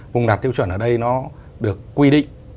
vùng đạt tiêu chuẩn ở đây nó được quy định